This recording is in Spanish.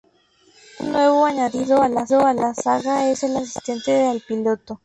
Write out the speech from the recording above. Un nuevo añadido a la saga es la Asistencia al piloto.